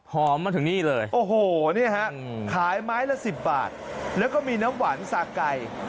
มาถึงนี่เลยโอ้โหนี่ฮะขายไม้ละ๑๐บาทแล้วก็มีน้ำหวานสาไก่